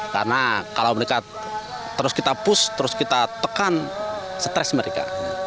karena kalau mereka terus kita push terus kita tekan stress mereka